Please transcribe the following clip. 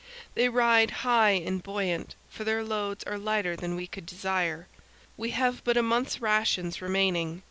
They ride high and buoyant, for their loads are lighter than we could desire. We have but a month's rations remaining.